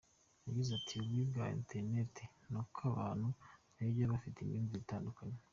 Yagize ati “Ububi bwa Internet ni uko abantu bayijyaho bafite imyumvite itandukanye.